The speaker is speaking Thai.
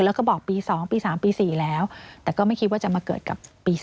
แล้วก็บอกปี๒ปี๓ปี๔แล้วแต่ก็ไม่คิดว่าจะมาเกิดกับปี๒๕